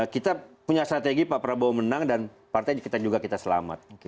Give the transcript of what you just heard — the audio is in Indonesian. kita punya strategi pak prabowo menang dan partai kita juga kita selamat